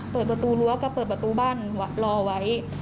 เปิดประตูรั้วก็เปิดประตูบ้านรอไว้